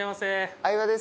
相葉です。